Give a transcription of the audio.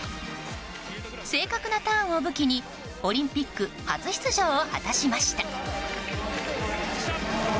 正確なターンを武器にオリンピック初出場を果たしました。